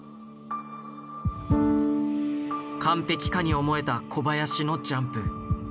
完璧かに思えた小林のジャンプ。